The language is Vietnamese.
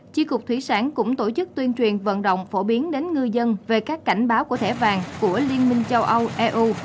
chi cục thủy sản cũng tổ chức tuyên truyền vận động phổ biến đến ngư dân về các cảnh báo của thẻ vàng của liên minh châu âu eu